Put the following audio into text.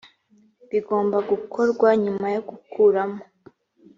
bigomba gukorwa nyuma yo gukuramo